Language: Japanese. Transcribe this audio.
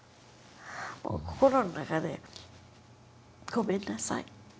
心の中で「ごめんなさい。